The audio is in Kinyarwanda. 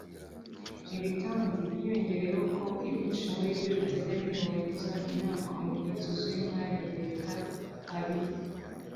Ibi kandi byiyongeraho ko ibyinshi muri byo bitajya binubahiriza inama umugenzuzi w’Imari ya Leta abiha